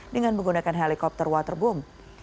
dengan menggunakan helikopter waterboom